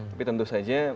tapi tentu saja